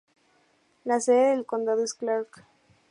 La sede del condado es Clark.